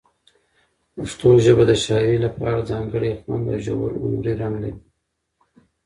پښتو ژبه د شاعرۍ لپاره ځانګړی خوند او ژور هنري رنګ لري.